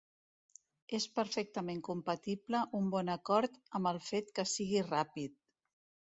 És perfectament compatible un bon acord amb el fet que sigui ràpid.